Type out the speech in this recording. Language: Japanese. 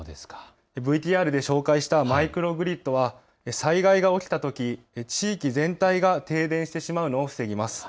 ＶＴＲで紹介したマイクログリッドは災害が起きたとき、地域全体が停電してしまうのを防ぎます。